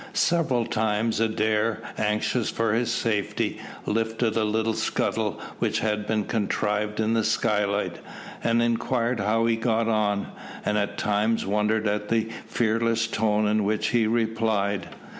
Several times Adair, anxious for his safety, lifted a little scuttle which had been contrived in the skylight, and inquired how he got on, and at times wondered at the fearless tone in which he replied.